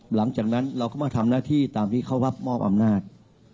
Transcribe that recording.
หลังจากนั้นเราก็มาทำหน้าที่ตามที่เขารับมอบอำนาจ